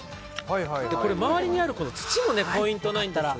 周りにある土もポイントなんですね。